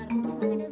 memang ada bulu ketek